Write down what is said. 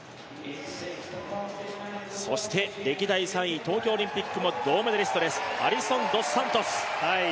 そして歴代３位、東京オリンピックも銅メダリストですアリソン・ドス・サントス。